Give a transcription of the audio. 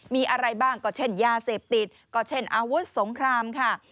มีอะไรบ้างก็เช่นยาเสพติดก็เช่นอาวุธสงครามค่ะ